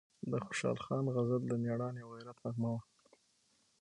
د خوشحال خان غزل د میړانې او غیرت نغمه وه،